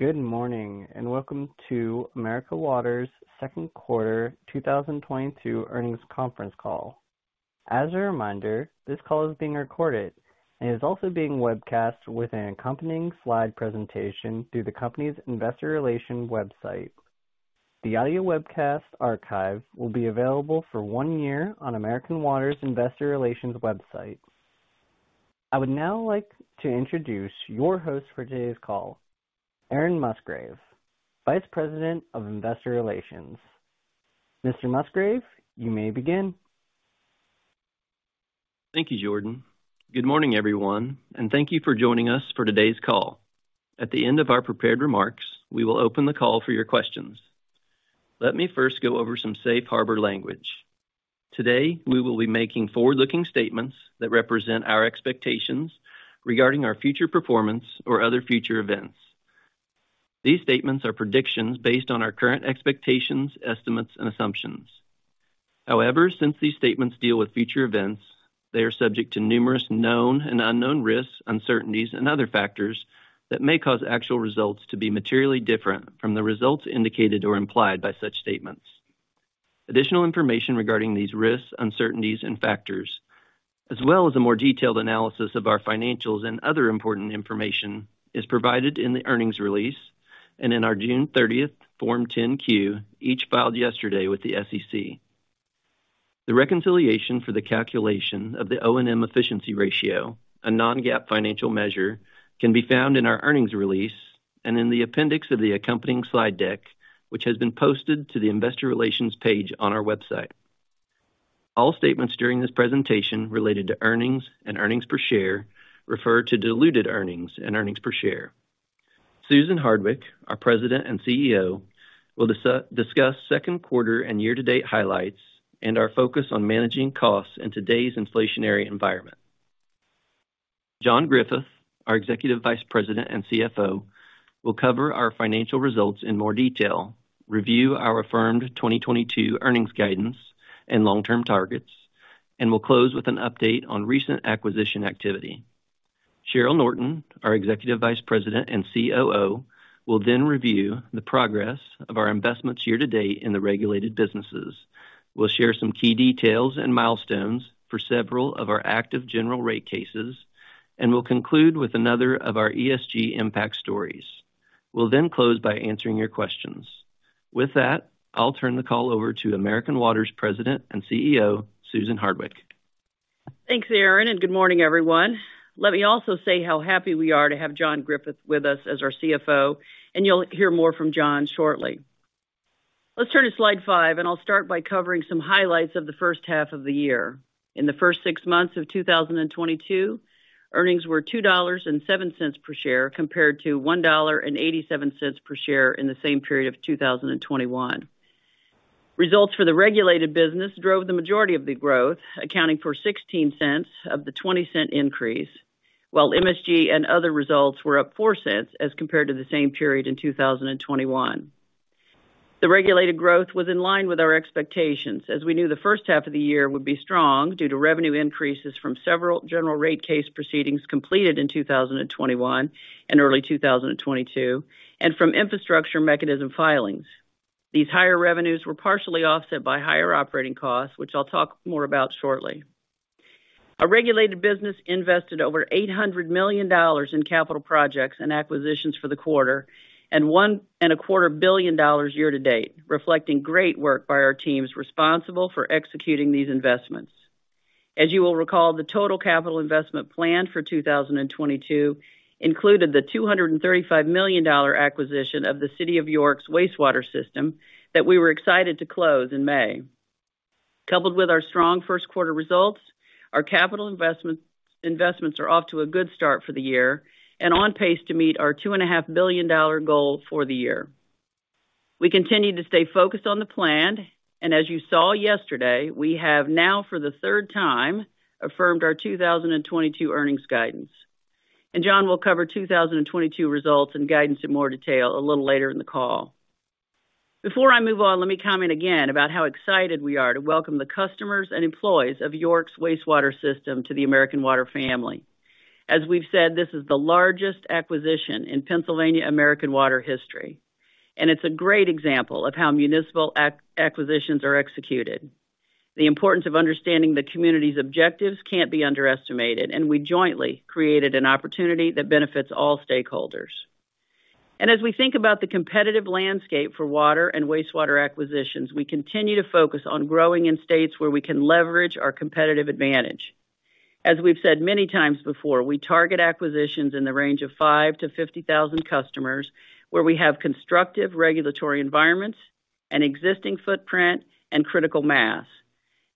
Good morning, and welcome to American Water's second quarter 2022 earnings conference call. As a reminder, this call is being recorded and is also being webcast with an accompanying slide presentation through the company's investor relations website. The audio webcast archive will be available for one year on American Water's investor relations website. I would now like to introduce your host for today's call, Aaron Musgrave, Vice President of Investor Relations. Mr. Musgrave, you may begin. Thank you, Jordan. Good morning, everyone, and thank you for joining us for today's call. At the end of our prepared remarks, we will open the call for your questions. Let me first go over some safe harbor language. Today, we will be making forward-looking statements that represent our expectations regarding our future performance or other future events. These statements are predictions based on our current expectations, estimates, and assumptions. However, since these statements deal with future events, they are subject to numerous known and unknown risks, uncertainties, and other factors that may cause actual results to be materially different from the results indicated or implied by such statements. Additional information regarding these risks, uncertainties, and factors, as well as a more detailed analysis of our financials and other important information is provided in the earnings release and in our June 30th Form 10-Q, each filed yesterday with the SEC. The reconciliation for the calculation of the O&M efficiency ratio, a non-GAAP financial measure, can be found in our earnings release and in the appendix of the accompanying slide deck, which has been posted to the investor relations page on our website. All statements during this presentation related to earnings and earnings per share refer to diluted earnings and earnings per share. Susan Hardwick, our President and CEO, will discuss second quarter and year-to-date highlights and our focus on managing costs in today's inflationary environment. John Griffith, our Executive Vice President and CFO, will cover our financial results in more detail, review our affirmed 2022 earnings guidance and long-term targets, and will close with an update on recent acquisition activity. Cheryl Norton, our Executive Vice President and COO, will then review the progress of our investments year to date in the regulated businesses, will share some key details and milestones for several of our active general rate cases, and will conclude with another of our ESG impact stories. We'll then close by answering your questions. With that, I'll turn the call over to American Water's President and CEO, Susan Hardwick. Thanks, Aaron, and good morning, everyone. Let me also say how happy we are to have John Griffith with us as our CFO, and you'll hear more from John shortly. Let's turn to slide five, and I'll start by covering some highlights of the first half of the year. In the first six months of 2022, earnings were $2.07 per share, compared to $1.87 per share in the same period of 2021. Results for the regulated business drove the majority of the growth, accounting for $0.16 of the $0.20 increase, while MSG and other results were up $0.04 as compared to the same period in 2021. The regulated growth was in line with our expectations, as we knew the first half of the year would be strong due to revenue increases from several general rate case proceedings completed in 2021 and early 2022, and from infrastructure mechanism filings. These higher revenues were partially offset by higher operating costs, which I'll talk more about shortly. Our regulated business invested over $800 million in capital projects and acquisitions for the quarter and $1.25 billion year to date, reflecting great work by our teams responsible for executing these investments. As you will recall, the total capital investment plan for 2022 included the $235 million acquisition of the City of York's wastewater system that we were excited to close in May. Coupled with our strong first quarter results, our capital investments are off to a good start for the year and on pace to meet our $2.5 billion goal for the year. We continue to stay focused on the plan, and as you saw yesterday, we have now, for the third time, affirmed our 2022 earnings guidance. John will cover 2022 results and guidance in more detail a little later in the call. Before I move on, let me comment again about how excited we are to welcome the customers and employees of York's wastewater system to the American Water family. As we've said, this is the largest acquisition in Pennsylvania American Water history, and it's a great example of how municipal acquisitions are executed. The importance of understanding the community's objectives can't be underestimated, and we jointly created an opportunity that benefits all stakeholders. As we think about the competitive landscape for water and wastewater acquisitions, we continue to focus on growing in states where we can leverage our competitive advantage. As we've said many times before, we target acquisitions in the range of five to 50,000 customers where we have constructive regulatory environments, an existing footprint, and critical mass.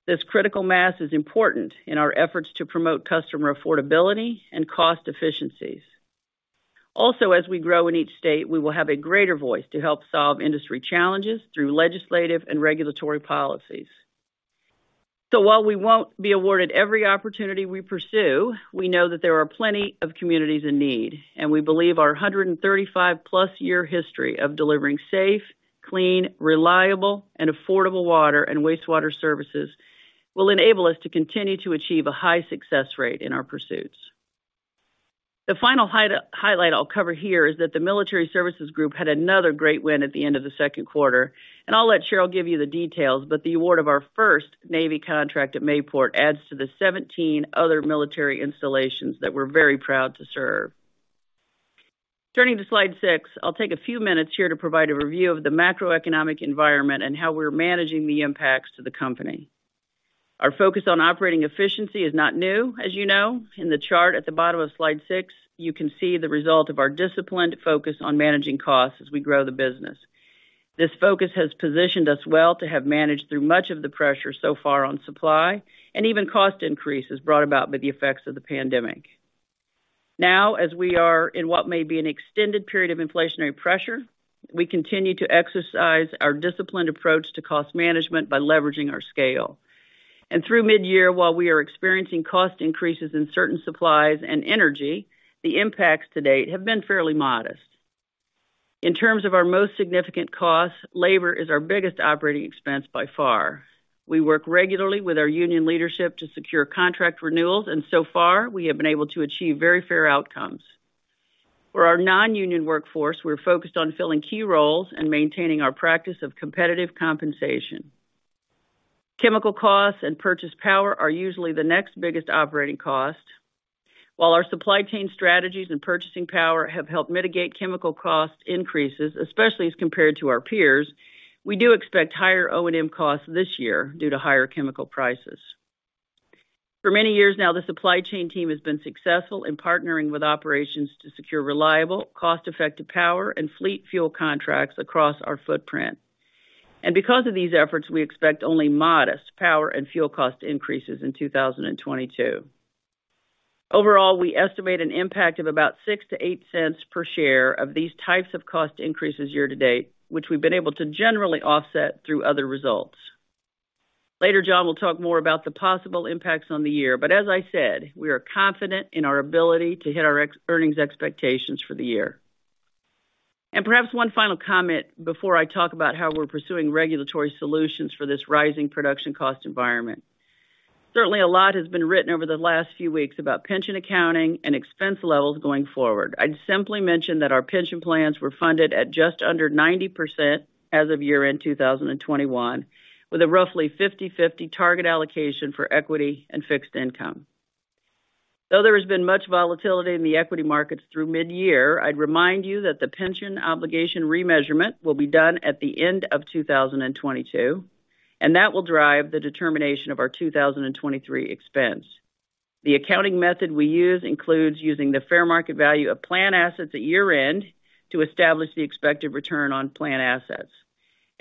This critical mass is important in our efforts to promote customer affordability and cost efficiencies. Also, as we grow in each state, we will have a greater voice to help solve industry challenges through legislative and regulatory policies. While we won't be awarded every opportunity we pursue, we know that there are plenty of communities in need, and we believe our 135+ year history of delivering safe, clean, reliable, and affordable water and wastewater services will enable us to continue to achieve a high success rate in our pursuits. The final highlight I'll cover here is that the Military Services Group had another great win at the end of the second quarter, and I'll let Cheryl give you the details, but the award of our first Navy contract at Mayport adds to the 17 other military installations that we're very proud to serve. Turning to slide six, I'll take a few minutes here to provide a review of the macroeconomic environment and how we're managing the impacts to the company. Our focus on operating efficiency is not new, as you know. In the chart at the bottom of slide six, you can see the result of our disciplined focus on managing costs as we grow the business. This focus has positioned us well to have managed through much of the pressure so far on supply and even cost increases brought about by the effects of the pandemic. Now, as we are in what may be an extended period of inflationary pressure, we continue to exercise our disciplined approach to cost management by leveraging our scale. Through midyear, while we are experiencing cost increases in certain supplies and energy, the impacts to date have been fairly modest. In terms of our most significant costs, labor is our biggest operating expense by far. We work regularly with our union leadership to secure contract renewals, and so far, we have been able to achieve very fair outcomes. For our non-union workforce, we're focused on filling key roles and maintaining our practice of competitive compensation. Chemical costs and purchasing power are usually the next biggest operating cost. While our supply chain strategies and purchasing power have helped mitigate chemical cost increases, especially as compared to our peers, we do expect higher O&M costs this year due to higher chemical prices. For many years now, the supply chain team has been successful in partnering with operations to secure reliable, cost-effective power and fleet fuel contracts across our footprint. Because of these efforts, we expect only modest power and fuel cost increases in 2022. Overall, we estimate an impact of about $0.06-$0.08 per share of these types of cost increases year to date, which we've been able to generally offset through other results. Later, John will talk more about the possible impacts on the year, but as I said, we are confident in our ability to hit our earnings expectations for the year. Perhaps one final comment before I talk about how we're pursuing regulatory solutions for this rising production cost environment. Certainly, a lot has been written over the last few weeks about pension accounting and expense levels going forward. I'd simply mention that our pension plans were funded at just under 90% as of year-end 2021, with a roughly 50/50 target allocation for equity and fixed income. Though there has been much volatility in the equity markets through midyear, I'd remind you that the pension obligation remeasurement will be done at the end of 2022, and that will drive the determination of our 2023 expense. The accounting method we use includes using the fair market value of plan assets at year-end to establish the expected return on plan assets.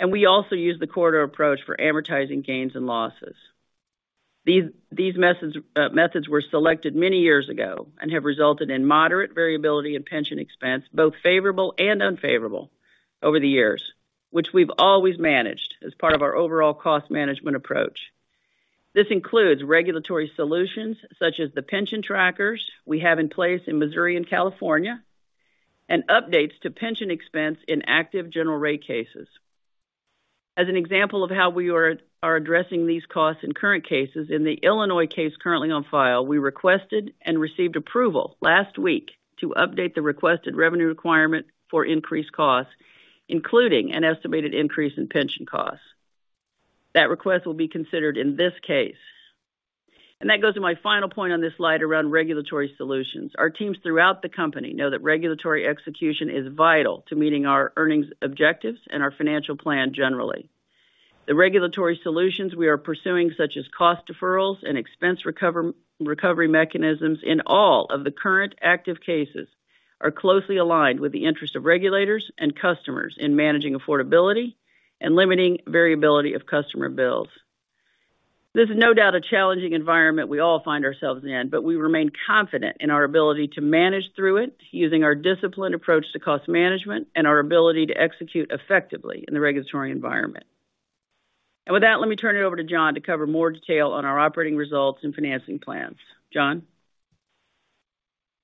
We also use the corridor approach for amortizing gains and losses. These methods were selected many years ago and have resulted in moderate variability in pension expense, both favorable and unfavorable over the years, which we've always managed as part of our overall cost management approach. This includes regulatory solutions such as the pension trackers we have in place in Missouri and California and updates to pension expense in active general rate cases. As an example of how we are addressing these costs in current cases, in the Illinois case currently on file, we requested and received approval last week to update the requested revenue requirement for increased costs, including an estimated increase in pension costs. That request will be considered in this case. That goes to my final point on this slide around regulatory solutions. Our teams throughout the company know that regulatory execution is vital to meeting our earnings objectives and our financial plan generally. The regulatory solutions we are pursuing, such as cost deferrals and expense recovery mechanisms in all of the current active cases, are closely aligned with the interest of regulators and customers in managing affordability and limiting variability of customer bills. This is no doubt a challenging environment we all find ourselves in, but we remain confident in our ability to manage through it using our disciplined approach to cost management and our ability to execute effectively in the regulatory environment. With that, let me turn it over to John to cover more detail on our operating results and financing plans. John?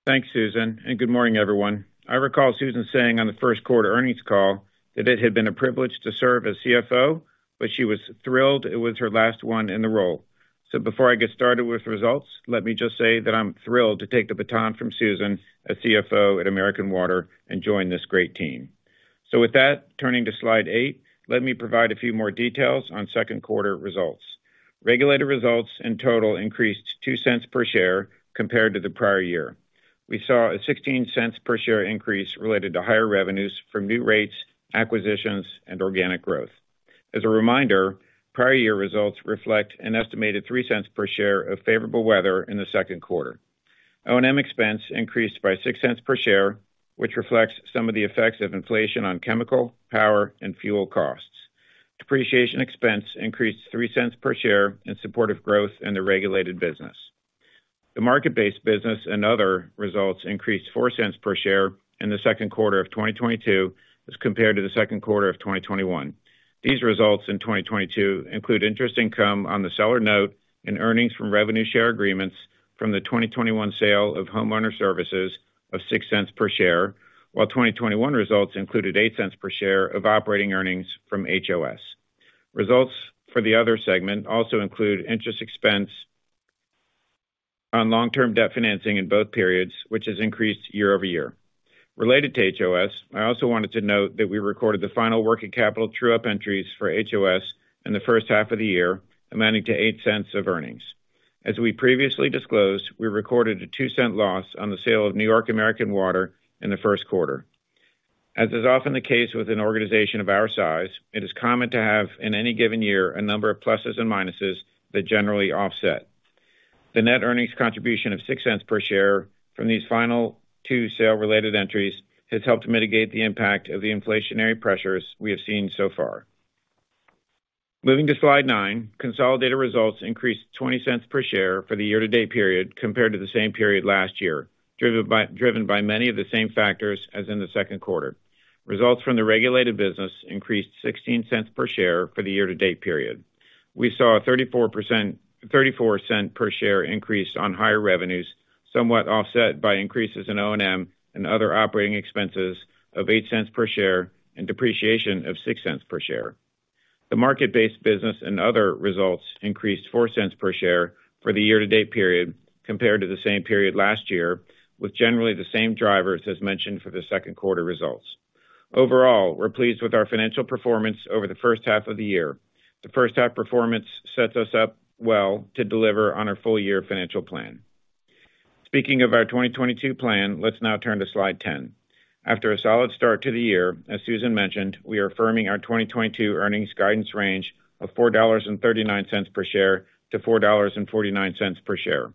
Thanks, Susan, and good morning, everyone. I recall Susan saying on the first quarter earnings call that it had been a privilege to serve as CFO, but she was thrilled it was her last one in the role. Before I get started with results, let me just say that I'm thrilled to take the baton from Susan as CFO at American Water and join this great team. With that, turning to slide eight, let me provide a few more details on second quarter results. Regulated results in total increased $0.02 per share compared to the prior year. We saw a $0.16 per share increase related to higher revenues from new rates, acquisitions, and organic growth. As a reminder, prior year results reflect an estimated $0.03 per share of favorable weather in the second quarter. O&M expense increased by $0.06 per share, which reflects some of the effects of inflation on chemical, power, and fuel costs. Depreciation expense increased $0.03 per share in support of growth in the regulated business. The market-based business and other results increased $0.04 per share in the second quarter of 2022 as compared to the second quarter of 2021. These results in 2022 include interest income on the seller note and earnings from revenue share agreements from the 2021 sale of Homeowner Services of $0.06 per share, while 2021 results included $0.08 per share of operating earnings from HOS. Results for the other segment also include interest expense on long-term debt financing in both periods, which has increased year-over-year. Related to HOS, I also wanted to note that we recorded the final working capital true-up entries for HOS in the first half of the year, amounting to $0.08 of earnings. As we previously disclosed, we recorded a $0.02 loss on the sale of New York American Water in the first quarter. As is often the case with an organization of our size, it is common to have, in any given year, a number of pluses and minuses that generally offset. The net earnings contribution of $0.06 per share from these final two sale-related entries has helped mitigate the impact of the inflationary pressures we have seen so far. Moving to slide nine. Consolidated results increased $0.20 per share for the year-to-date period compared to the same period last year, driven by many of the same factors as in the second quarter. Results from the regulated business increased $0.16 per share for the year-to-date period. We saw a $0.34 per share increase on higher revenues, somewhat offset by increases in O&M and other operating expenses of $0.08 per share and depreciation of $0.06 per share. The market-based business and other results increased $0.04 per share for the year-to-date period compared to the same period last year, with generally the same drivers as mentioned for the second quarter results. Overall, we're pleased with our financial performance over the first half of the year. The first half performance sets us up well to deliver on our full year financial plan. Speaking of our 2022 plan, let's now turn to slide 10. After a solid start to the year, as Susan mentioned, we are affirming our 2022 earnings guidance range of $4.39 per share-$4.49 per share.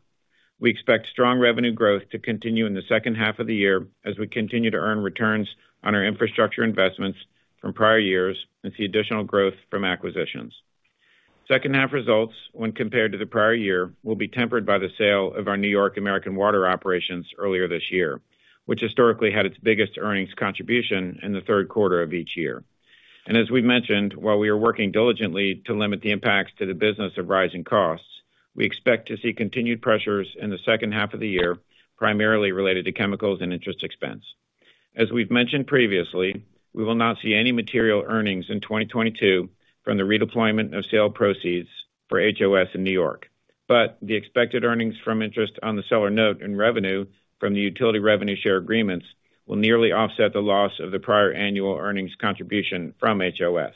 We expect strong revenue growth to continue in the second half of the year as we continue to earn returns on our infrastructure investments from prior years and see additional growth from acquisitions. Second half results when compared to the prior year will be tempered by the sale of our New York American Water operations earlier this year, which historically had its biggest earnings contribution in the third quarter of each year. As we've mentioned, while we are working diligently to limit the impacts to the business of rising costs, we expect to see continued pressures in the second half of the year, primarily related to chemicals and interest expense. As we've mentioned previously, we will not see any material earnings in 2022 from the redeployment of sale proceeds for HOS in New York. The expected earnings from interest on the seller note and revenue from the utility revenue share agreements will nearly offset the loss of the prior annual earnings contribution from HOS.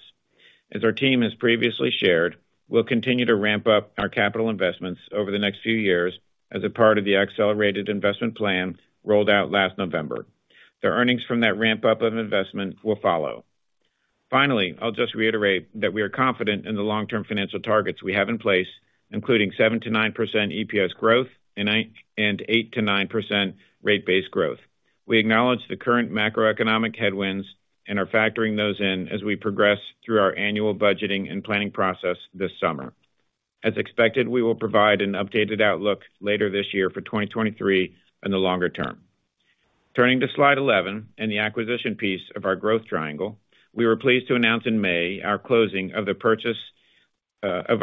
As our team has previously shared, we'll continue to ramp up our capital investments over the next few years as a part of the accelerated investment plan rolled out last November. The earnings from that ramp-up of investment will follow. Finally, I'll just reiterate that we are confident in the long-term financial targets we have in place, including 7%-9% EPS growth and 8%-9% rate-based growth. We acknowledge the current macroeconomic headwinds and are factoring those in as we progress through our annual budgeting and planning process this summer. As expected, we will provide an updated outlook later this year for 2023 and the longer term. Turning to slide 11 and the acquisition piece of our growth triangle. We were pleased to announce in May our closing of the purchase of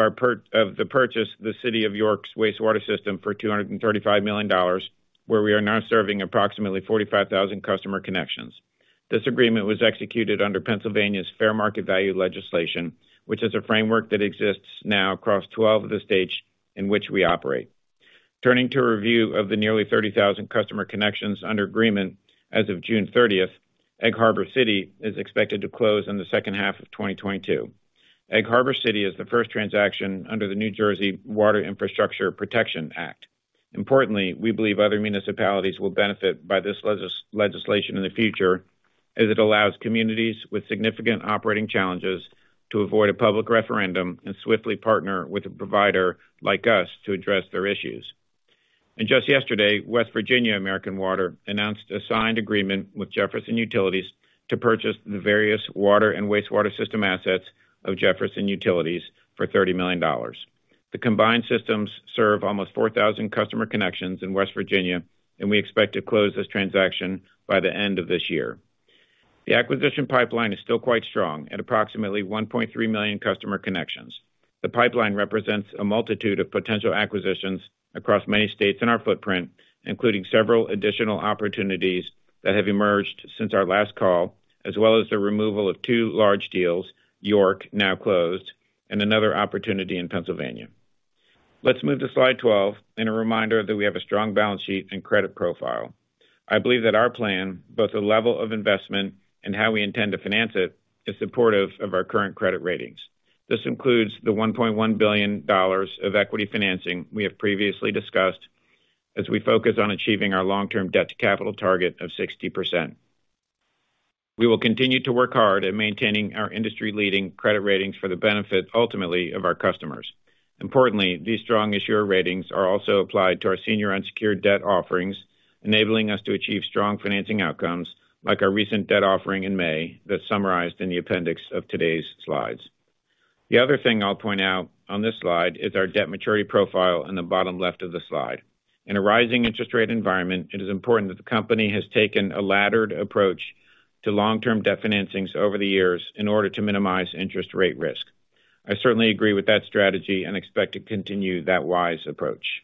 the City of York wastewater system for $235 million, where we are now serving approximately 45,000 customer connections. This agreement was executed under Pennsylvania's Fair Market Value legislation, which is a framework that exists now across 12 of the states in which we operate. Turning to a review of the nearly 30,000 customer connections under agreement as of June 30th, Egg Harbor City is expected to close in the second half of 2022. Egg Harbor City is the first transaction under the New Jersey Water Infrastructure Protection Act. Importantly, we believe other municipalities will benefit by this legislation in the future, as it allows communities with significant operating challenges to avoid a public referendum and swiftly partner with a provider like us to address their issues. Just yesterday, West Virginia American Water announced a signed agreement with Jefferson Utilities to purchase the various water and wastewater system assets of Jefferson Utilities for $30 million. The combined systems serve almost 4,000 customer connections in West Virginia, and we expect to close this transaction by the end of this year. The acquisition pipeline is still quite strong at approximately 1.3 million customer connections. The pipeline represents a multitude of potential acquisitions across many states in our footprint, including several additional opportunities that have emerged since our last call, as well as the removal of two large deals, York now closed and another opportunity in Pennsylvania. Let's move to slide 12 and a reminder that we have a strong balance sheet and credit profile. I believe that our plan, both the level of investment and how we intend to finance it, is supportive of our current credit ratings. This includes the $1.1 billion of equity financing we have previously discussed as we focus on achieving our long-term debt to capital target of 60%. We will continue to work hard at maintaining our industry-leading credit ratings for the benefit, ultimately, of our customers. Importantly, these strong issuer ratings are also applied to our senior unsecured debt offerings, enabling us to achieve strong financing outcomes like our recent debt offering in May that's summarized in the appendix of today's slides. The other thing I'll point out on this slide is our debt maturity profile in the bottom left of the slide. In a rising interest rate environment, it is important that the company has taken a laddered approach to long-term debt financings over the years in order to minimize interest rate risk. I certainly agree with that strategy and expect to continue that wise approach.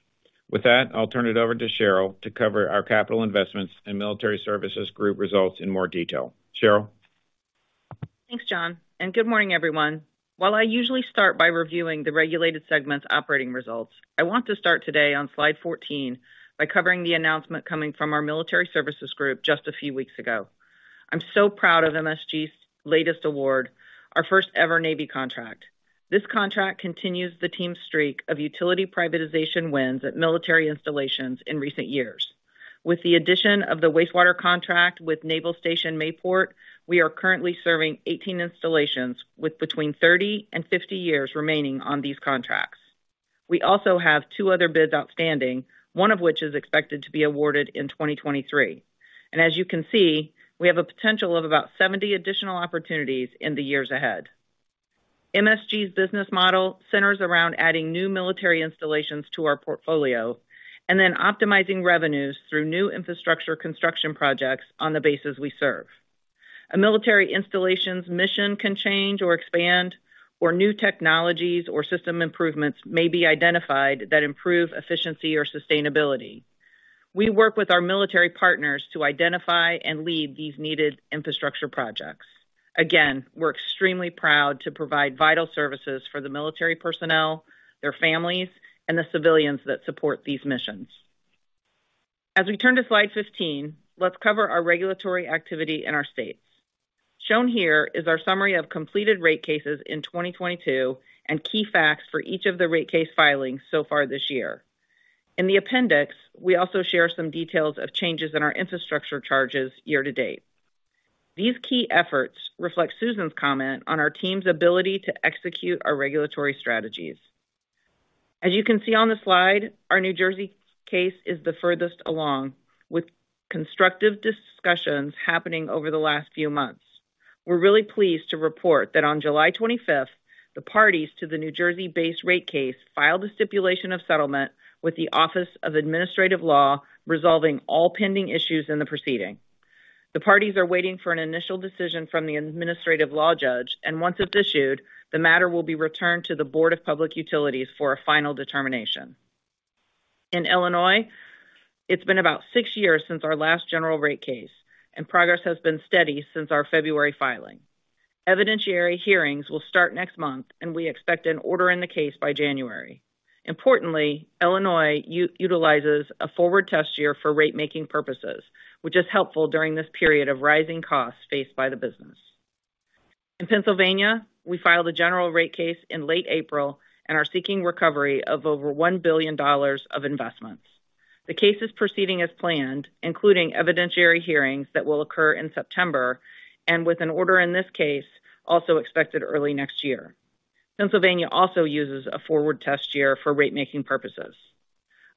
With that, I'll turn it over to Cheryl to cover our capital investments and Military Services Group results in more detail. Cheryl? Thanks, John, and good morning, everyone. While I usually start by reviewing the regulated segment's operating results, I want to start today on slide 14 by covering the announcement coming from our Military Services Group just a few weeks ago. I'm so proud of MSG's latest award, our first-ever Navy contract. This contract continues the team's streak of utility privatization wins at military installations in recent years. With the addition of the wastewater contract with Naval Station Mayport, we are currently serving 18 installations with between 30 and 50 years remaining on these contracts. We also have two other bids outstanding, one of which is expected to be awarded in 2023. As you can see, we have a potential of about 70 additional opportunities in the years ahead. MSG's business model centers around adding new military installations to our portfolio and then optimizing revenues through new infrastructure construction projects on the bases we serve. A military installation's mission can change or expand, or new technologies or system improvements may be identified that improve efficiency or sustainability. We work with our military partners to identify and lead these needed infrastructure projects. Again, we're extremely proud to provide vital services for the military personnel, their families, and the civilians that support these missions. As we turn to slide 15, let's cover our regulatory activity in our states. Shown here is our summary of completed rate cases in 2022 and key facts for each of the rate case filings so far this year. In the appendix, we also share some details of changes in our infrastructure charges year to date. These key efforts reflect Susan's comment on our team's ability to execute our regulatory strategies. As you can see on the slide, our New Jersey case is the furthest along, with constructive discussions happening over the last few months. We're really pleased to report that on July 25th, the parties to the New Jersey-based rate case filed a stipulation of settlement with the Office of Administrative Law, resolving all pending issues in the proceeding. The parties are waiting for an initial decision from the administrative law judge, and once it's issued, the matter will be returned to the Board of Public Utilities for a final determination. In Illinois, it's been about six years since our last general rate case, and progress has been steady since our February filing. Evidentiary hearings will start next month, and we expect an order in the case by January. Importantly, Illinois utilizes a forward test year for rate-making purposes, which is helpful during this period of rising costs faced by the business. In Pennsylvania, we filed a general rate case in late April and are seeking recovery of over $1 billion of investments. The case is proceeding as planned, including evidentiary hearings that will occur in September and with an order in this case also expected early next year. Pennsylvania also uses a forward test year for rate-making purposes.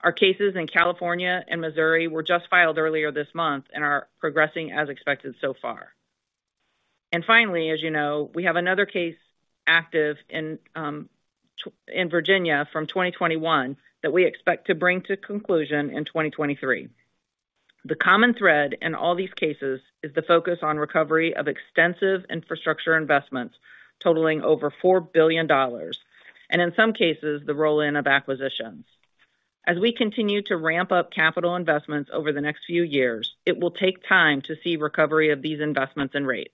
Our cases in California and Missouri were just filed earlier this month and are progressing as expected so far. Finally, as you know, we have another case active in Virginia from 2021 that we expect to bring to conclusion in 2023. The common thread in all these cases is the focus on recovery of extensive infrastructure investments totaling over $4 billion, and in some cases, the roll-in of acquisitions. As we continue to ramp up capital investments over the next few years, it will take time to see recovery of these investments and rates.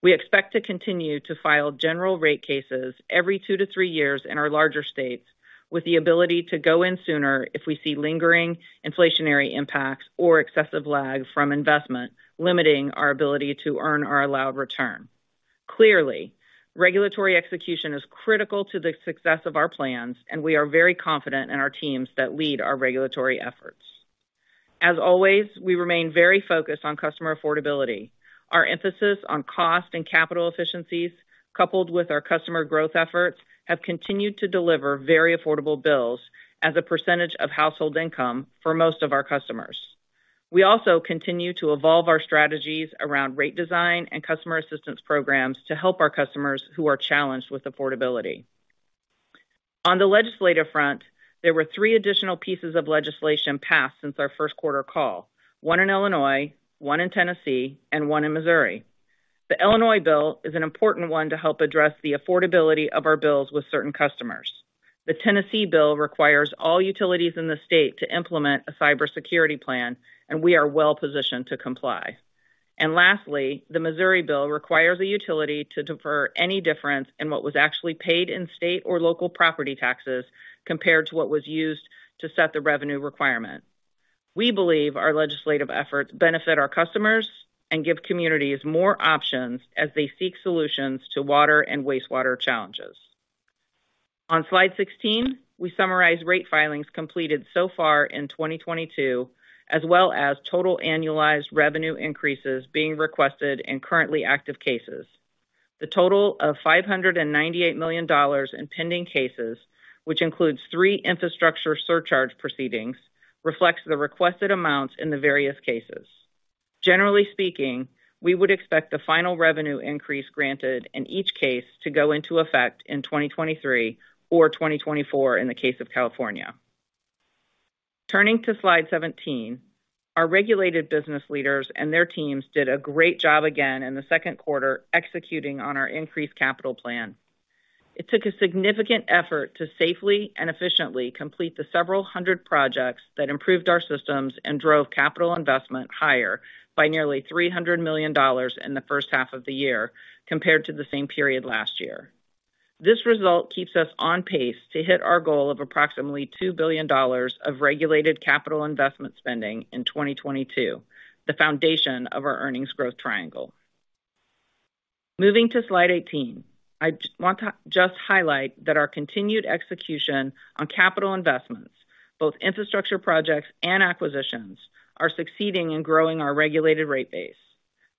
We expect to continue to file general rate cases every two to three years in our larger states, with the ability to go in sooner if we see lingering inflationary impacts or excessive lag from investment limiting our ability to earn our allowed return. Clearly, regulatory execution is critical to the success of our plans, and we are very confident in our teams that lead our regulatory efforts. As always, we remain very focused on customer affordability. Our emphasis on cost and capital efficiencies, coupled with our customer growth efforts, have continued to deliver very affordable bills as a percentage of household income for most of our customers. We also continue to evolve our strategies around rate design and customer assistance programs to help our customers who are challenged with affordability. On the legislative front, there were three additional pieces of legislation passed since our first quarter call, one in Illinois, one in Tennessee, and one in Missouri. The Illinois bill is an important one to help address the affordability of our bills with certain customers. The Tennessee bill requires all utilities in the state to implement a cybersecurity plan, and we are well positioned to comply. Lastly, the Missouri bill requires a utility to defer any difference in what was actually paid in state or local property taxes compared to what was used to set the revenue requirement. We believe our legislative efforts benefit our customers and give communities more options as they seek solutions to water and wastewater challenges. On slide 16, we summarize rate filings completed so far in 2022, as well as total annualized revenue increases being requested in currently active cases. The total of $598 million in pending cases, which includes three infrastructure surcharge proceedings, reflects the requested amounts in the various cases. Generally speaking, we would expect the final revenue increase granted in each case to go into effect in 2023 or 2024 in the case of California. Turning to slide 17. Our regulated business leaders and their teams did a great job again in the second quarter executing on our increased capital plan. It took a significant effort to safely and efficiently complete the several hundred projects that improved our systems and drove capital investment higher by nearly $300 million in the first half of the year compared to the same period last year. This result keeps us on pace to hit our goal of approximately $2 billion of regulated capital investment spending in 2022, the foundation of our earnings growth triangle. Moving to slide 18. I want to just highlight that our continued execution on capital investments, both infrastructure projects and acquisitions, are succeeding in growing our regulated rate base.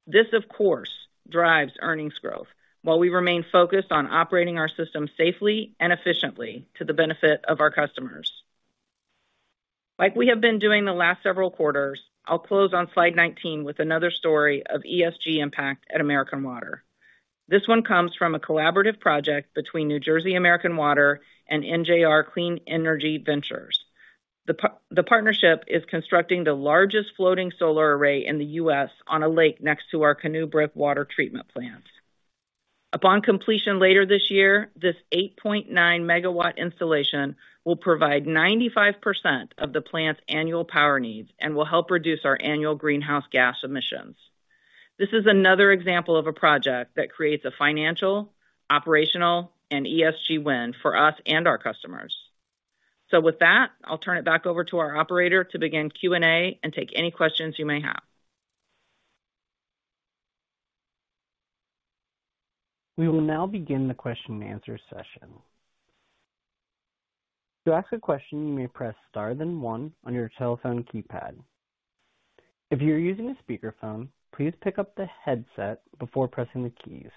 This, of course, drives earnings growth while we remain focused on operating our system safely and efficiently to the benefit of our customers. Like we have been doing the last several quarters, I'll close on slide 19 with another story of ESG impact at American Water. This one comes from a collaborative project between New Jersey American Water and NJR Clean Energy Ventures. The partnership is constructing the largest floating solar array in the U.S. on a lake next to our Canoe Brook Water Treatment Plant. Upon completion later this year, this 8.9-MW installation will provide 95% of the plant's annual power needs and will help reduce our annual greenhouse gas emissions. This is another example of a project that creates a financial, operational, and ESG win for us and our customers. With that, I'll turn it back over to our operator to begin Q&A and take any questions you may have. We will now begin the question-and-answer session. To ask a question, you may press star then one on your telephone keypad. If you're using a speakerphone, please pick up the headset before pressing the keys.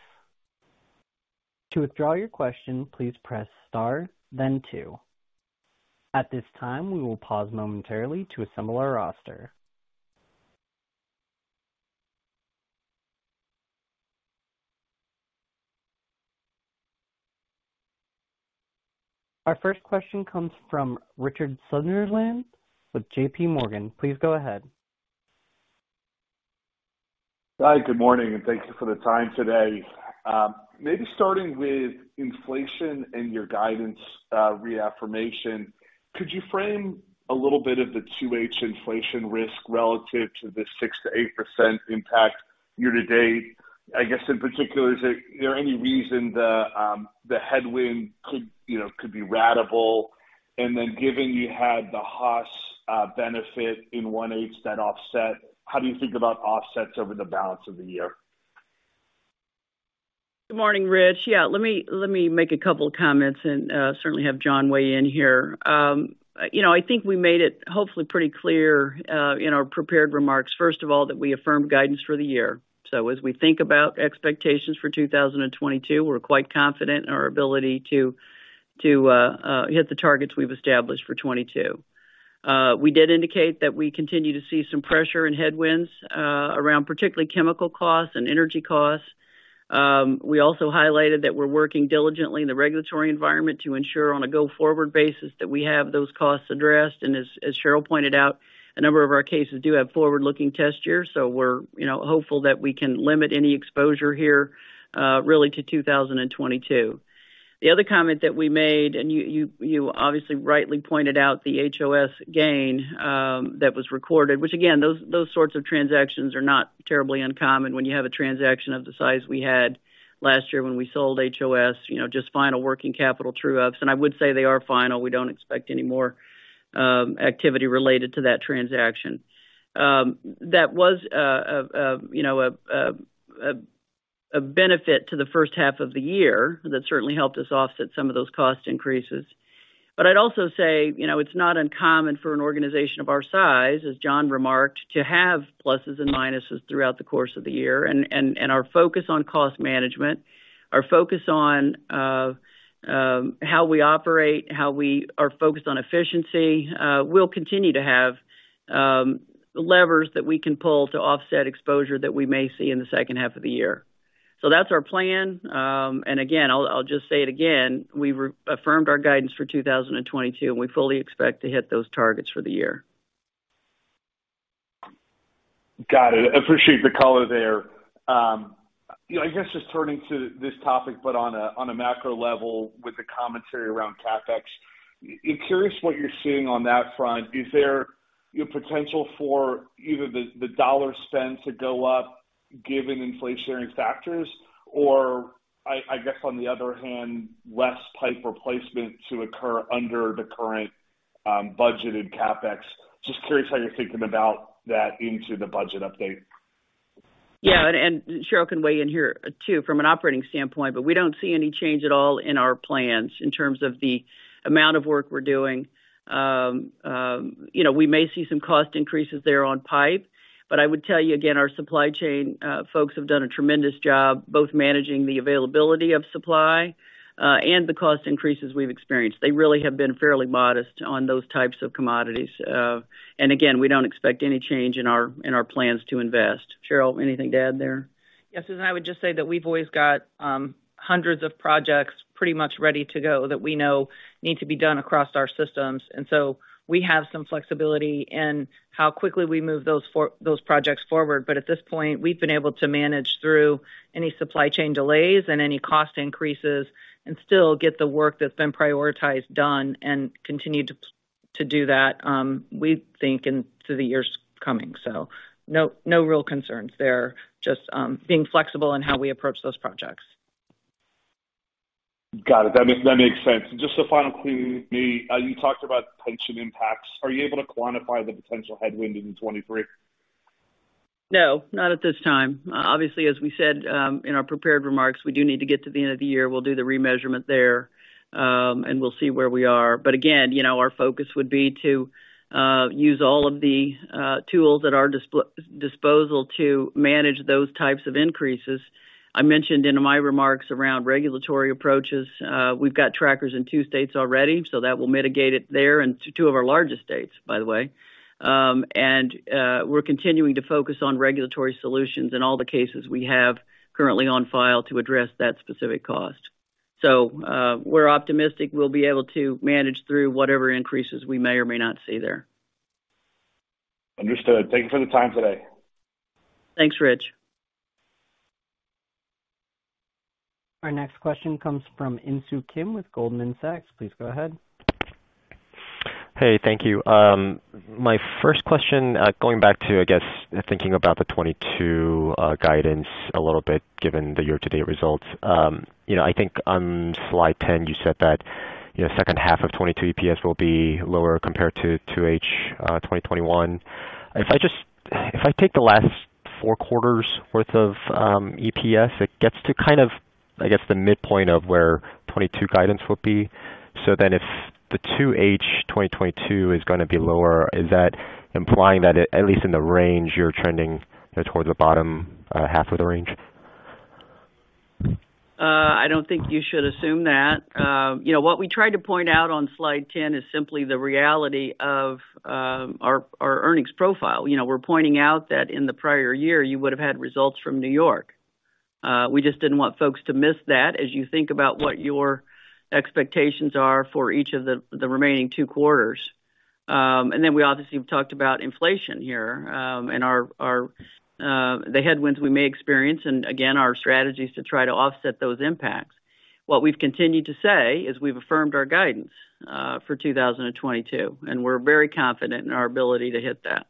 To withdraw your question, please press star then two. At this time, we will pause momentarily to assemble our roster. Our first question comes from Richard Sunderland with JPMorgan. Please go ahead. Hi, good morning, and thank you for the time today. Maybe starting with inflation and your guidance reaffirmation, could you frame a little bit of the 2H inflation risk relative to the 6%-8% impact year to date? I guess, in particular, is there any reason the headwind could, you know, be ratable? Then given you had the HOS benefit in 1H that offset, how do you think about offsets over the balance of the year? Good morning, Rich. Yeah, let me make a couple of comments and certainly have John weigh in here. You know, I think we made it hopefully pretty clear in our prepared remarks, first of all, that we affirm guidance for the year. As we think about expectations for 2022, we're quite confident in our ability to hit the targets we've established for 2022. We did indicate that we continue to see some pressure and headwinds around particularly chemical costs and energy costs. We also highlighted that we're working diligently in the regulatory environment to ensure on a go-forward basis that we have those costs addressed. As Cheryl pointed out, a number of our cases do have forward-looking test years, so we're you know hopeful that we can limit any exposure here really to 2022. The other comment that we made, you obviously rightly pointed out the HOS gain that was recorded, which again those sorts of transactions are not terribly uncommon when you have a transaction of the size we had last year when we sold HOS you know just final working capital true-ups. I would say they are final. We don't expect any more activity related to that transaction. That was a you know a benefit to the first half of the year that certainly helped us offset some of those cost increases. I'd also say, you know, it's not uncommon for an organization of our size, as John remarked, to have pluses and minuses throughout the course of the year. Our focus on cost management, our focus on how we operate, how we are focused on efficiency, we'll continue to have levers that we can pull to offset exposure that we may see in the second half of the year. That's our plan. Again, I'll just say it again, we reaffirmed our guidance for 2022, and we fully expect to hit those targets for the year. Got it. Appreciate the color there. You know, I guess just turning to this topic, but on a macro level with the commentary around CapEx, I'm curious what you're seeing on that front. Is there potential for either the dollar spend to go up given inflationary factors or I guess on the other hand, less pipe replacement to occur under the current budgeted CapEx? Just curious how you're thinking about that into the budget update. Yeah. Cheryl can weigh in here too from an operating standpoint, but we don't see any change at all in our plans in terms of the amount of work we're doing. You know, we may see some cost increases there on pipe, but I would tell you again, our supply chain folks have done a tremendous job, both managing the availability of supply and the cost increases we've experienced. They really have been fairly modest on those types of commodities. We don't expect any change in our plans to invest. Cheryl, anything to add there? Yes. I would just say that we've always got hundreds of projects pretty much ready to go that we know need to be done across our systems. We have some flexibility in how quickly we move those projects forward. At this point, we've been able to manage through any supply chain delays and any cost increases and still get the work that's been prioritized done and continue to pl- To do that, we think through the coming years. No real concerns there. Just being flexible in how we approach those projects. Got it. That makes sense. Just a final query. You talked about pension impacts. Are you able to quantify the potential headwind in 2023? No, not at this time. Obviously, as we said, in our prepared remarks, we do need to get to the end of the year. We'll do the remeasurement there, and we'll see where we are. Again, you know, our focus would be to use all of the tools at our disposal to manage those types of increases. I mentioned in my remarks around regulatory approaches, we've got trackers in two states already, so that will mitigate it there. In two of our largest states, by the way. We're continuing to focus on regulatory solutions in all the cases we have currently on file to address that specific cost. We're optimistic we'll be able to manage through whatever increases we may or may not see there. Understood. Thank you for the time today. Thanks, Rich. Our next question comes from Insoo Kim with Goldman Sachs. Please go ahead. Hey, thank you. My first question, going back to, I guess, thinking about the 2022 guidance a little bit given the year-to-date results. You know, I think on slide 10 you said that, you know, second half of 2022 EPS will be lower compared to 2H 2021. If I take the last four quarters worth of EPS, it gets to kind of, I guess, the midpoint of where 2022 guidance will be. If the 2H 2022 is gonna be lower, is that implying that at least in the range, you're trending towards the bottom half of the range? I don't think you should assume that. You know what we tried to point out on slide 10 is simply the reality of our earnings profile. You know, we're pointing out that in the prior year you would have had results from New York. We just didn't want folks to miss that as you think about what your expectations are for each of the remaining two quarters. We obviously talked about inflation here, and the headwinds we may experience and again, our strategies to try to offset those impacts. What we've continued to say is we've affirmed our guidance for 2022, and we're very confident in our ability to hit that.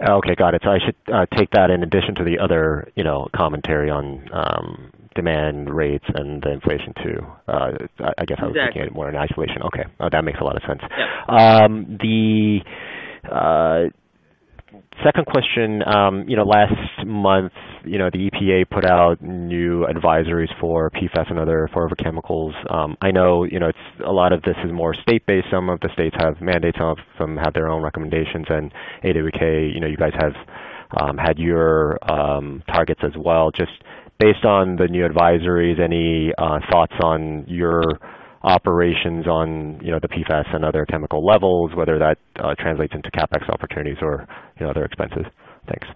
Okay, got it. I should take that in addition to the other, you know, commentary on demand rates and the inflation too. I guess I was- Exactly. Looking at it more in isolation. Okay, that makes a lot of sense. Yeah. The second question, you know, last month, you know, the EPA put out new advisories for PFAS and other forever chemicals. I know, you know, it's a lot of this is more state based. Some of the states have mandates, some have their own recommendations. AWK, you know, you guys have had your targets as well. Just based on the new advisories, any thoughts on your operations on, you know, the PFAS and other chemical levels, whether that translates into CapEx opportunities or, you know, other expenses? Thanks.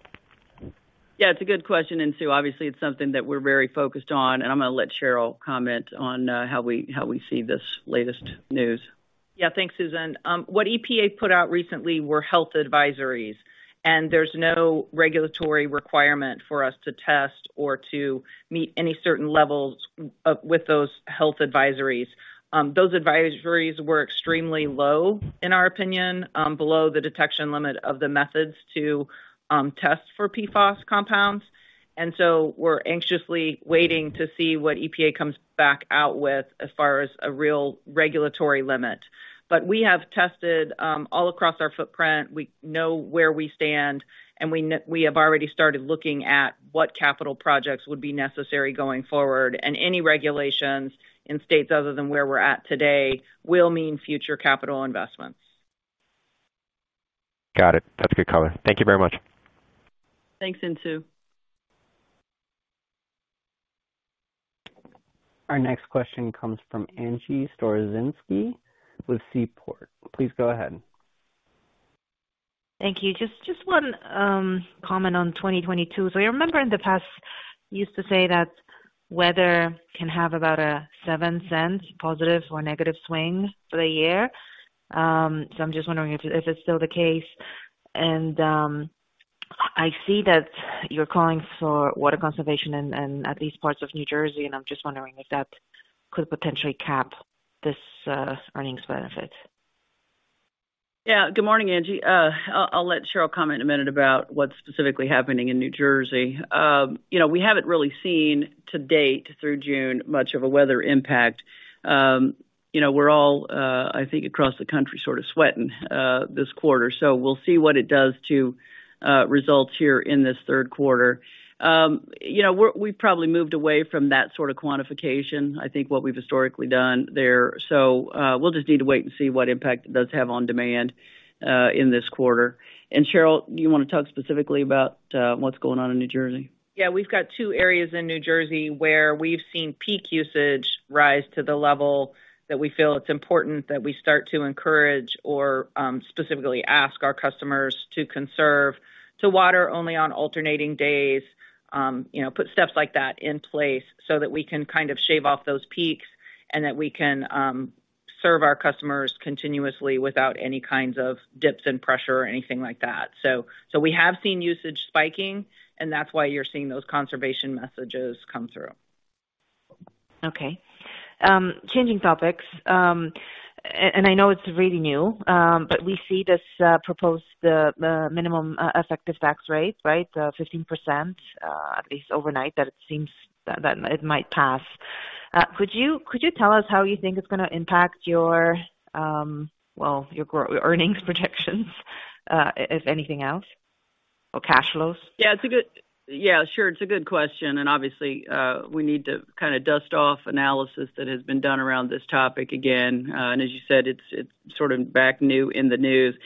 Yeah, it's a good question, Insoo. Obviously, it's something that we're very focused on, and I'm going to let Cheryl comment on how we see this latest news. Yeah. Thanks, Susan. What EPA put out recently were health advisories, and there's no regulatory requirement for us to test or to meet any certain levels with those health advisories. Those advisories were extremely low, in our opinion, below the detection limit of the methods to test for PFAS compounds. We're anxiously waiting to see what EPA comes back out with as far as a real regulatory limit. We have tested all across our footprint. We know where we stand, and we have already started looking at what capital projects would be necessary going forward. Any regulations in states other than where we're at today will mean future capital investments. Got it. That's a good comment. Thank you very much. Thanks, Insoo. Our next question comes from Angie Storozynski with Seaport. Please go ahead. Thank you. Just one comment on 2022. I remember in the past you used to say that weather can have about a $0.07 positive or negative swing for the year. I'm just wondering if it's still the case. I see that you're calling for water conservation in at least parts of New Jersey. I'm just wondering if that could potentially cap this earnings benefit. Yeah. Good morning, Angie. I'll let Cheryl comment in a minute about what's specifically happening in New Jersey. You know, we haven't really seen to date through June much of a weather impact. You know, we're all, I think across the country sort of sweating this quarter. So we'll see what it does to results here in this third quarter. You know, we've probably moved away from that sort of quantification, I think what we've historically done there. So we'll just need to wait and see what impact it does have on demand in this quarter. Cheryl, you want to talk specifically about what's going on in New Jersey? Yeah, we've got two areas in New Jersey where we've seen peak usage rise to the level that we feel it's important that we start to encourage or, specifically ask our customers to conserve, to water only on alternating days. You know, put steps like that in place so that we can kind of shave off those peaks and that we can serve our customers continuously without any kinds of dips in pressure or anything like that. So we have seen usage spiking, and that's why you're seeing those conservation messages come through. Okay. Changing topics. I know it's really new, but we see this proposed minimum effective tax rate, right? 15% at least overnight that it seems that it might pass. Could you tell us how you think it's gonna impact your, well, your earnings projections, if anything else or cash flows? Yeah, sure. It's a good question. Obviously, we need to kind of dust off analysis that has been done around this topic again. As you said, it's sort of back in the news.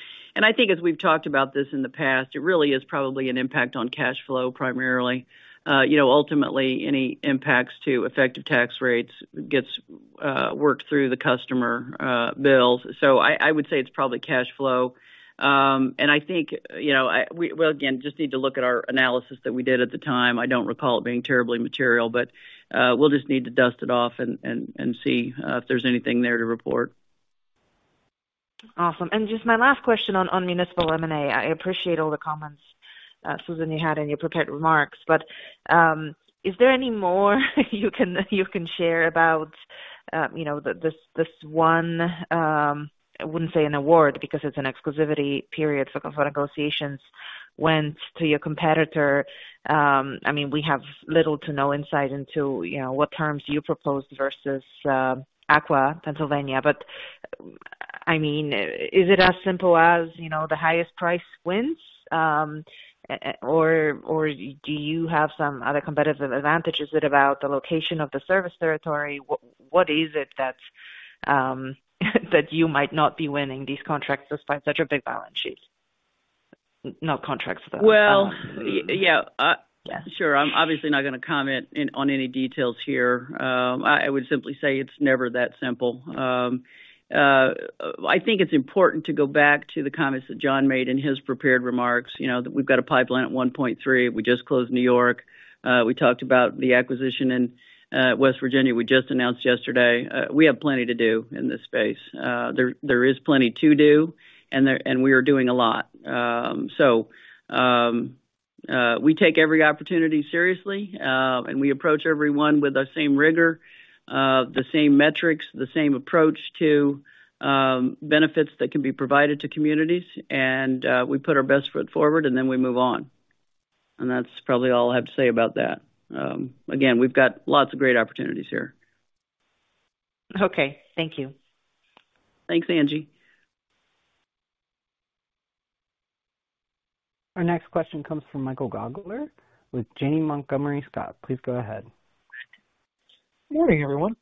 I think as we've talked about this in the past, it really is probably an impact on cash flow primarily. You know, ultimately, any impacts to effective tax rates gets worked through the customer bills. I would say it's probably cash flow. I think, you know, again, just need to look at our analysis that we did at the time. I don't recall it being terribly material, but we'll just need to dust it off and see if there's anything there to report. Awesome. Just my last question on municipal M&A. I appreciate all the comments, Susan, you had in your prepared remarks. Is there any more you can share about, you know, this one, I wouldn't say an award because it's an exclusivity period for negotiations went to your competitor. I mean, we have little to no insight into, you know, what terms you propose versus Aqua Pennsylvania. I mean, is it as simple as, you know, the highest price wins, or do you have some other competitive advantage? Is it about the location of the service territory? What is it that you might not be winning these contracts despite such a big balance sheet? Not contracts, but- Well- Balance sheet. Yeah. Sure. I'm obviously not going to comment on any details here. I would simply say it's never that simple. I think it's important to go back to the comments that John made in his prepared remarks. You know, that we've got a pipeline at $1.3 billion. We just closed New York. We talked about the acquisition in West Virginia we just announced yesterday. We have plenty to do in this space. There is plenty to do, and we are doing a lot. We take every opportunity seriously, and we approach everyone with the same rigor, the same metrics, the same approach to benefits that can be provided to communities. We put our best foot forward and then we move on. That's probably all I have to say about that. Again, we've got lots of great opportunities here. Okay. Thank you. Thanks, Angie. Our next question comes from Michael Gaugler with Janney Montgomery Scott. Please go ahead. Morning, everyone.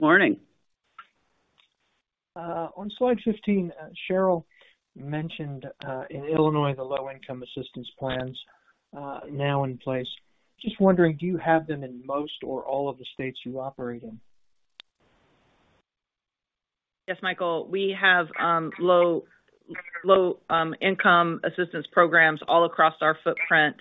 Morning. On slide 15, Cheryl mentioned in Illinois the low-income assistance plans now in place. Just wondering, do you have them in most or all of the states you operate in? Yes, Michael. We have low income assistance programs all across our footprint,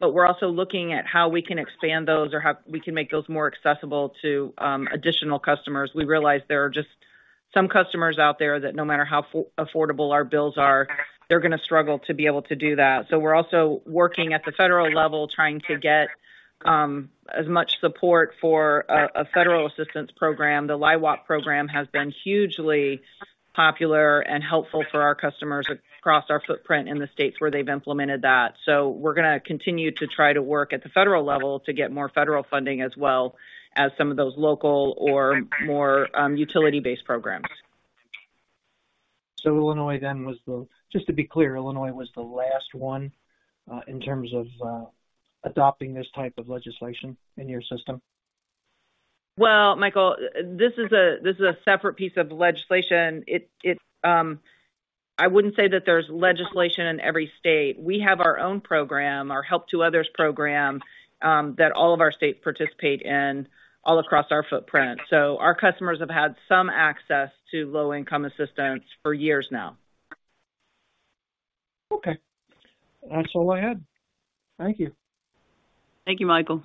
but we're also looking at how we can expand those or how we can make those more accessible to additional customers. We realize there are just some customers out there that no matter how affordable our bills are, they're going to struggle to be able to do that. We're also working at the federal level, trying to get as much support for a federal assistance program. The LIHWAP program has been hugely popular and helpful for our customers across our footprint in the states where they've implemented that. We're going to continue to try to work at the federal level to get more federal funding, as well as some of those local or more utility-based programs. Illinois then was just to be clear, Illinois was the last one in terms of adopting this type of legislation in your system? Well, Michael, this is a separate piece of legislation. It. I wouldn't say that there's legislation in every state. We have our own program, our Help to Others program, that all of our states participate in all across our footprint. Our customers have had some access to low-income assistance for years now. Okay. That's all I had. Thank you. Thank you, Michael.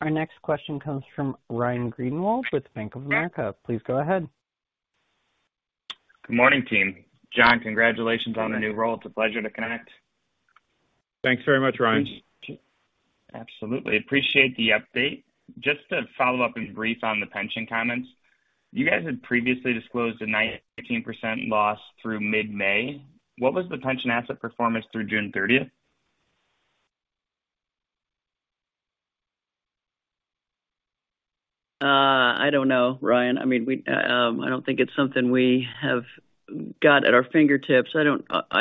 Our next question comes from Ryan Greenwald with Bank of America. Please go ahead. Good morning, team. John, congratulations on the new role. It's a pleasure to connect. Thanks very much, Ryan. Absolutely. Appreciate the update. Just to follow up and brief on the pension comments. You guys had previously disclosed a 19% loss through mid-May. What was the pension asset performance through June 30th? I don't know, Ryan. I mean, I don't think it's something we have got at our fingertips. I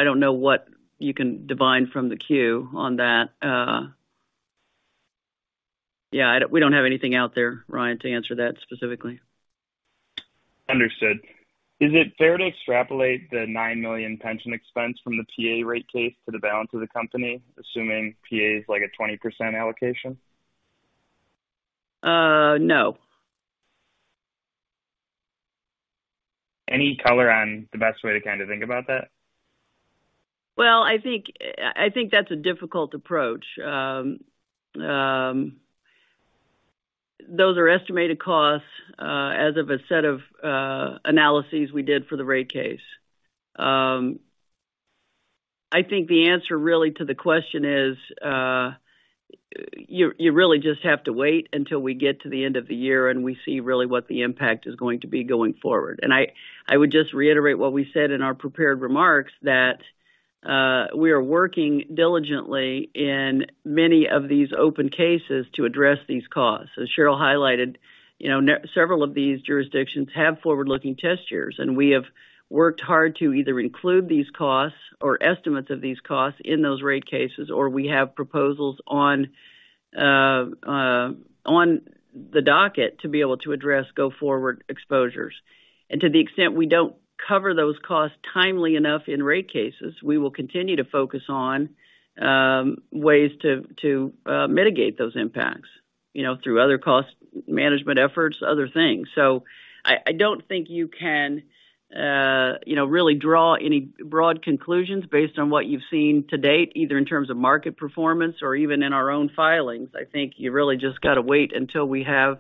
don't know what you can divine from the Q on that. Yeah, we don't have anything out there, Ryan, to answer that specifically. Understood. Is it fair to extrapolate the $9 million pension expense from the PA rate case to the balance of the company, assuming PA is like a 20% allocation? No. Any color on the best way to kind of think about that? Well, I think that's a difficult approach. Those are estimated costs as of a set of analyses we did for the rate case. I think the answer really to the question is, you really just have to wait until we get to the end of the year, and we see really what the impact is going to be going forward. I would just reiterate what we said in our prepared remarks that we are working diligently in many of these open cases to address these costs. As Cheryl highlighted, you know, in several of these jurisdictions have forward-looking test years, and we have worked hard to either include these costs or estimates of these costs in those rate cases, or we have proposals on the docket to be able to address go-forward exposures. To the extent we don't cover those costs timely enough in rate cases, we will continue to focus on ways to mitigate those impacts, you know, through other cost management efforts, other things. I don't think you can, you know, really draw any broad conclusions based on what you've seen to date, either in terms of market performance or even in our own filings. I think you really just gotta wait until we have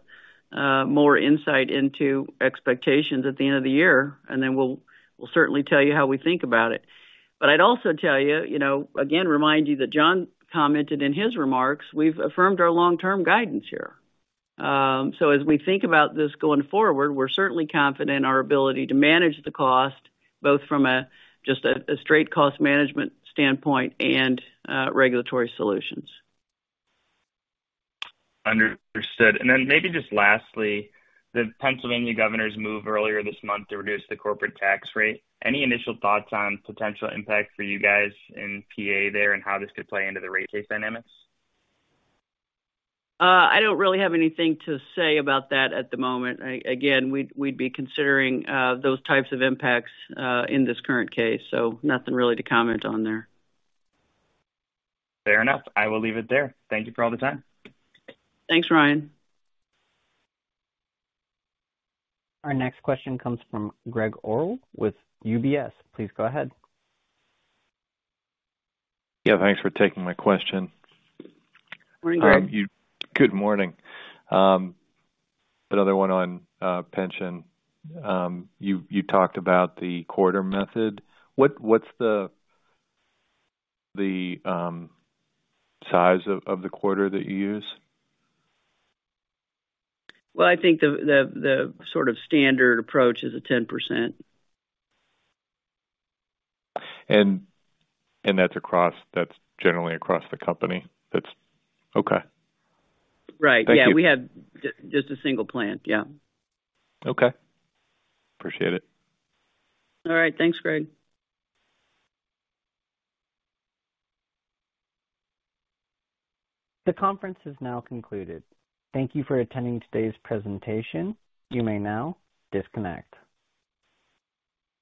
more insight into expectations at the end of the year, and then we'll certainly tell you how we think about it. I'd also tell you know, again, remind you that John commented in his remarks, we've affirmed our long-term guidance here. As we think about this going forward, we're certainly confident in our ability to manage the cost, both from just a straight cost management standpoint and regulatory solutions. Understood. Then maybe just lastly, the Pennsylvania governor's move earlier this month to reduce the corporate tax rate, any initial thoughts on potential impact for you guys in PA there and how this could play into the rate case dynamics? I don't really have anything to say about that at the moment. Again, we'd be considering those types of impacts in this current case, so nothing really to comment on there. Fair enough. I will leave it there. Thank you for all the time. Thanks, Ryan. Our next question comes from Gregg Orrill with UBS. Please go ahead. Yeah, thanks for taking my question. Morning Gregg. Good morning. Another one on pension. You talked about the corridor method. What's the size of the corridor that you use? Well, I think the sort of standard approach is 10%. That's generally across the company? That's. Okay. Right. Thank you. Yeah, we have just a single plan. Yeah. Okay. Appreciate it. All right. Thanks, Gregg. The conference is now concluded. Thank you for attending today's presentation. You may now disconnect.